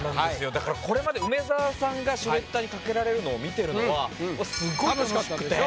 だからこれまで梅沢さんがシュレッダーに掛けられるのを見てるのはスゴイ楽しくて。